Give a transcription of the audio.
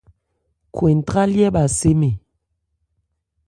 Khwɛn ntrályɛ́ bha sé mɛn.